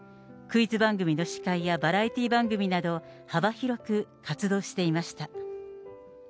クイズ番組の司会やバラエティー番組など、幅広く活動していました。